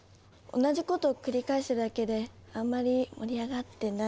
同じこと繰り返してるだけであんまり盛り上がってないです。